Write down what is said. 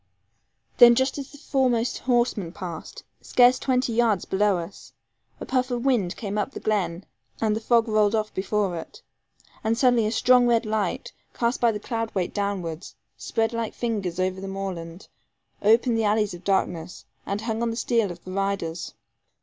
Then just as the foremost horseman passed, scarce twenty yards below us, a puff of wind came up the glen, and the fog rolled off before it. And suddenly a strong red light, cast by the cloud weight downwards, spread like fingers over the moorland, opened the alleys of darkness, and hung on the steel of the riders.